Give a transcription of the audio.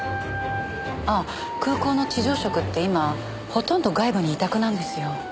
ああ空港の地上職って今ほとんど外部に委託なんですよ。